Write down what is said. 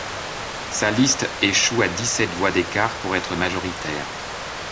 Sa liste échoue à dix-sept voix d'écart pour être majoritaire.